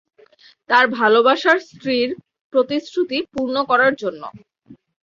তার ভালবাসার স্ত্রীর প্রতিশ্রুতি পূর্ণ করার জন্য।